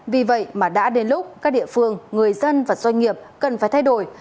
vì vậy mà đã đến lúc các địa phương người dân và doanh nghiệp cần phải thay đổi